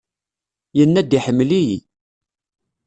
Yenna-d iḥemmel-iyi.